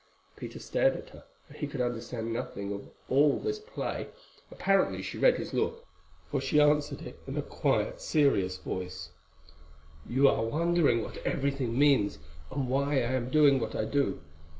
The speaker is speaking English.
Peter stared at her, for he could understand nothing of all this play. Apparently she read his look, for she answered it in a quiet, serious voice: "You are wondering what everything means, and why I am doing what I do.